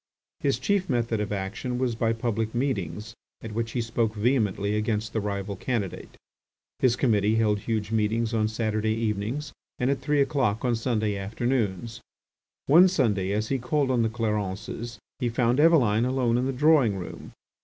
His chief method of action was by public meetings at which he spoke vehemently against the rival candidate. His committee held huge meetings on Saturday evenings and at three o'clock on Sunday afternoons. One Sunday, as he called on the Clarences, he found Eveline alone in the drawing room.